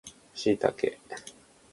シイタケ